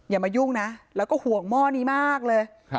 อย่ามายุ่งนะแล้วก็ห่วงหม้อนี้มากเลย